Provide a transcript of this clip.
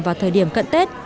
vào thời điểm cận tết